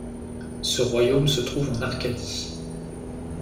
Ce royaume se trouve en Arcadie.